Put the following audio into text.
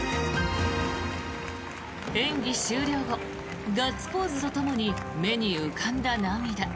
演技終了後ガッツポーズとともに目に浮かんだ涙。